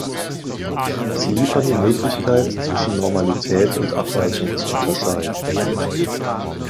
Sie liefern die Möglichkeit, zwischen Normalität und Abweichung zu unterscheiden.